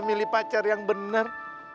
milih pacar yang bener